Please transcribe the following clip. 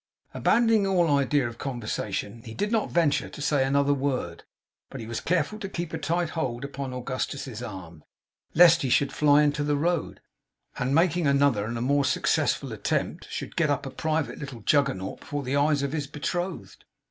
Abandoning all idea of conversation, he did not venture to say another word, but he was careful to keep a tight hold upon Augustus's arm, lest he should fly into the road, and making another and a more successful attempt, should get up a private little Juggernaut before the eyes of his betrothed.